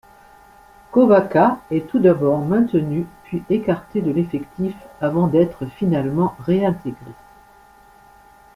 Kohvakka est tout d'abord maintenu puis écarté de l'effectif avant d'être finalement réintégré.